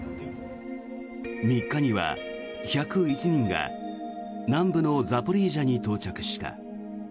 ３日には１０１人が南部のザポリージャに到着した。